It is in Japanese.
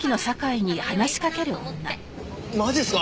マジっすか？